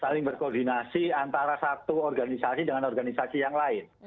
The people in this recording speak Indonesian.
saling berkoordinasi antara satu organisasi dengan organisasi yang lain